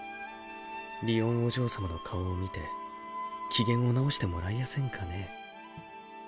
りおんお嬢様の顔を見て機嫌を直して貰えやせんかね？